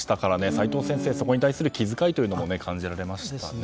齋藤先生、そこに対する気遣いも感じられますね。